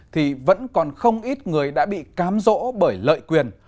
thì vẫn còn không ít người đã bị cám dỗ bởi lợi quyền